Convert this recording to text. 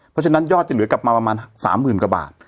เพราะฉะนั้นยอดจะเหลือกลับมาประมาณ๓๐๐๐กว่าบาท